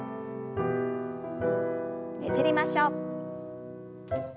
ねじりましょう。